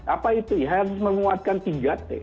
apa itu yang menguatkan tiga t